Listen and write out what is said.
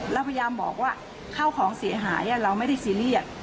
เราพยายามบอกว่าข้าวของเสียหายเราไม่ได้ซีเรียส